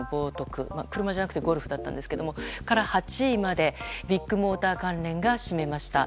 まあ、車じゃなくてゴルフだったんですが、そこから８位までビッグモーター関連が占めました。